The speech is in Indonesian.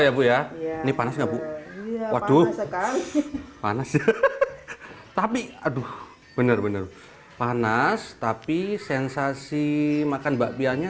ya bu ya ini panas nggak bu waduh panas tapi aduh bener bener panas tapi sensasi makan bakpia nya